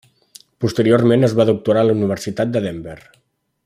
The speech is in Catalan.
Posteriorment es va doctorar a la Universitat de Denver.